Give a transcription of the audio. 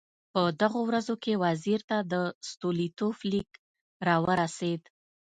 په دغو ورځو کې وزیر ته د ستولیتوف لیک راورسېد.